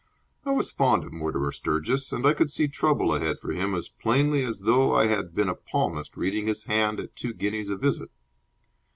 I was fond of Mortimer Sturgis, and I could see trouble ahead for him as plainly as though I had been a palmist reading his hand at two guineas a visit.